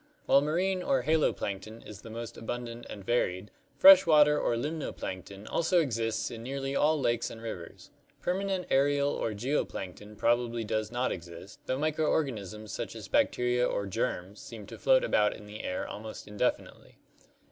While marine or halo plankton (Gr. ate, sea) is the most 44 ORGANIC EVOLUTION abundant and varied, fresh water or limno plankton (Gr. Xtfivti^ lake) also exists in nearly all lakes and rivers. Permanent aerial or geo plankton probably does not exist, though microorganisms such as bacteria or "germs" seem to float about in the air almost indefinitely.